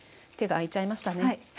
手が空いちゃいましたね。